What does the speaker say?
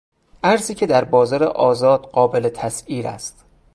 ارزی که در بازار آزاد قابل تسعیر است.